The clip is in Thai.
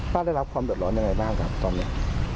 ได้รับความเดือดร้อนยังไงบ้างครับตอนนี้